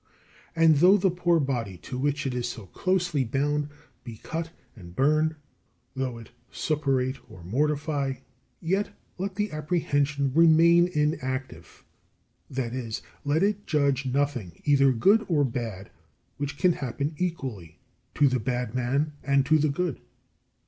And though the poor body to which it is so closely bound be cut and burned, though it suppurate or mortify, yet let the apprehension remain inactive: that is, let it judge nothing either bad or good which can happen equally to the bad man and to the good.